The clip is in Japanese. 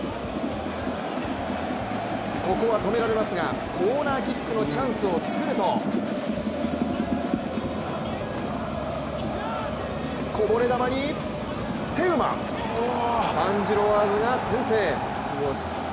ここは止められますがコーナーキックのチャンスをつくるとこぼれ球に、テウマ。サン＝ジロワーズが先制。